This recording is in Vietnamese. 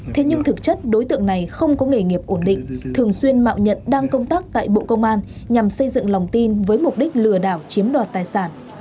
thế nhưng thực chất đối tượng này không có nghề nghiệp ổn định thường xuyên mạo nhận đang công tác tại bộ công an nhằm xây dựng lòng tin với mục đích lừa đảo chiếm đoạt tài sản